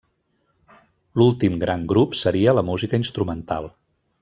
L'últim gran grup seria la música instrumental.